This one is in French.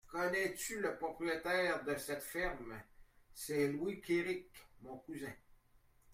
Connais-tu le propriétaire de cette ferme ? C'est Louis Kéric, mon cousin.